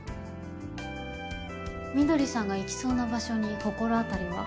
翠さんが行きそうな場所に心当たりは。